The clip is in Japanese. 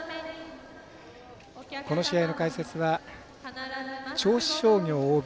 この試合の解説は銚子商業ＯＢ